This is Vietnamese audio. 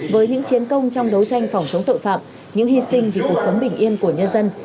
với những chiến công trong đấu tranh phòng chống tội phạm những hy sinh vì cuộc sống bình yên của nhân dân